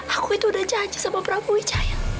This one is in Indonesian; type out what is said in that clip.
aku itu udah janji sama prabu wijaya